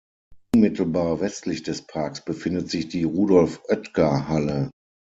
Unmittelbar westlich des Parks befindet sich die Rudolf-Oetker-Halle.